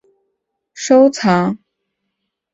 作品获香港文化博物馆作永久收藏。